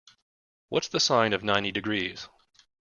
What's the sine of ninety degrees?